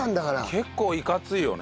結構いかついよね。